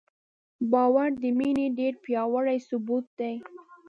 باور د مینې ډېر پیاوړی ثبوت دی.